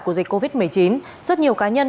của dịch covid một mươi chín rất nhiều cá nhân